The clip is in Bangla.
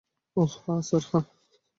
ওহ, হ্যাঁ, স্যার, হ্যাঁ।